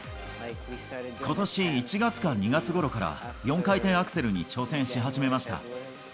ことし１月か２月ごろから４回転アクセルに挑戦し始めました。